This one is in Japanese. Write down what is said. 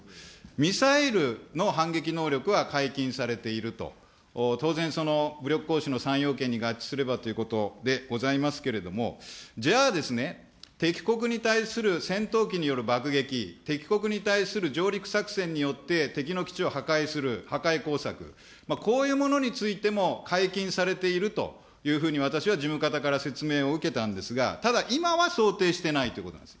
ミサイルの反撃能力は解禁されていると、当然その武力行使の三要件に合致すればということでございますけれども、じゃあですね、敵国に対する戦闘機による爆撃、敵国に対する上陸作戦によって敵の基地を破壊する破壊工作、こういうものについても解禁されているというふうに私は事務方から説明を受けたんですが、ただ今は想定してないということなんです。